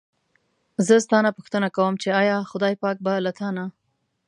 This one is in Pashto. زه ستا نه پوښتنه کووم چې ایا خدای پاک به له تا نه.